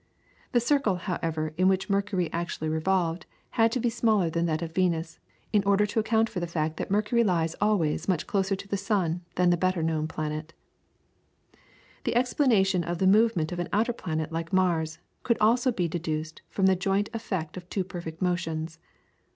The circle, however, in which Mercury actually revolved had to be smaller than that of Venus, in order to account for the fact that Mercury lies always much closer to the sun than the better known planet. [FIG. 2. PTOLEMY'S THEORY OF THE MOVEMENT OF MARS.] The explanation of the movement of an outer planet like Mars could also be deduced from the joint effect of two perfect motions.